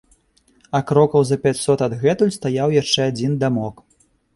А крокаў за пяцьсот адгэтуль стаяў яшчэ адзін дамок.